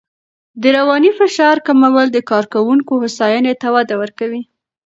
د رواني فشار کمول د کارکوونکو هوساینې ته وده ورکوي.